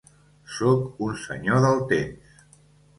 Sóc un Senyor del Temps.